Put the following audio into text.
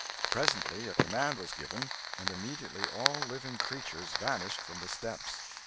Presently a command was given, and immediately all living creatures vanished from the steps.